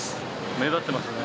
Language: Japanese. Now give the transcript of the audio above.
目立ってますね